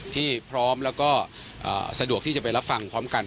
ที่พร้อมแล้วก็สะดวกที่จะไปรับฟังพร้อมกัน